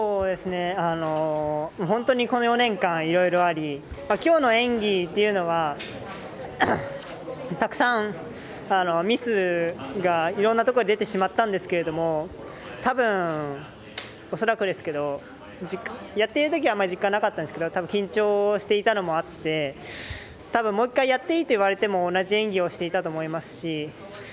本当にこの４年間いろいろありきょうの演技っていうのはたくさんミスがいろんなところで出てしまったんですけれどもおそらくですけどやっているときはあんまり実感なかったんですけど緊張していたのもあってもう１回やっていいと言われても同じ演技をしていたと思いますし